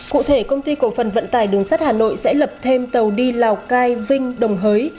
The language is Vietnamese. cụ thể công ty cổ phần vận tải đường sắt hà nội sẽ lập thêm tàu đi lào cai vinh đồng hới